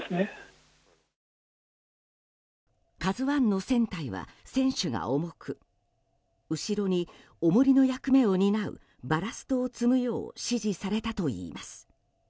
「ＫＡＺＵ１」の船体は船首が重く後ろに重りの役目を担うバラストを積むよう指示されたといいます。